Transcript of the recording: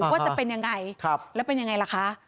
ว่าจะเป็นยังไงแล้วเป็นยังไงล่ะคะ